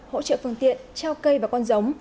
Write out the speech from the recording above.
hỗ trợ phương tiện treo cây và con giống